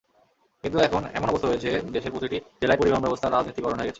কিন্তু এখন এমন অবস্থা হয়েছে, দেশের প্রতিটি জেলায় পরিবহনব্যবস্থা রাজনীতিকরণ হয়ে গেছে।